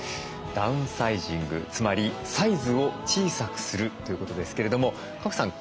ダウンサイジングつまりサイズを小さくするということですけれども賀来さん